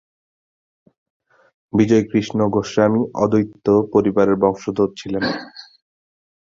বিজয়কৃষ্ণ গোস্বামী অদ্বৈত পরিবারের বংশধর ছিলেন।